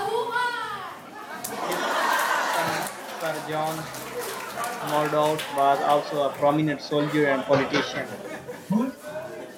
His son Sir John Mordaunt was also a prominent soldier and politician.